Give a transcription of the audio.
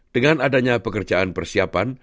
dengan adanya pekerjaan persiapan